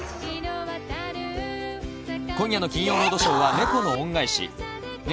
今夜の『金曜ロードショー』は『猫の恩返し』。